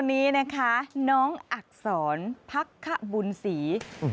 วันนี้นะคะน้องอักษรพักขบุญศรีอืม